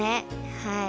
はい。